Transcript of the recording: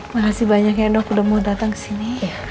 makasih banyak ya dok udah mau datang kesini